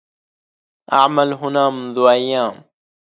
أعمل هنا منذ أيام.